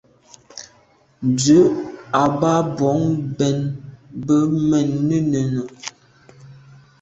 Ndù à ba mbwon mbèn mbe mènnenùne.